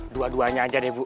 dua duanya aja deh bu